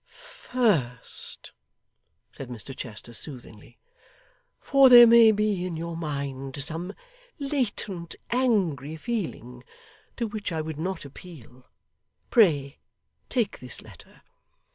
'First,' said Mr Chester, soothingly, 'for there may be in your mind some latent angry feeling to which I would not appeal, pray take this letter.